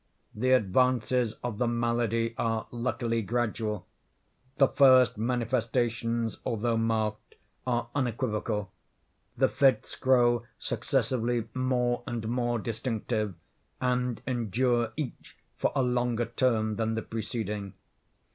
The advances of the malady are, luckily, gradual. The first manifestations, although marked, are unequivocal. The fits grow successively more and more distinctive, and endure each for a longer term than the preceding.